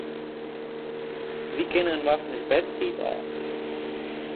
Wy kenne inoar fan ús bernetiid ôf.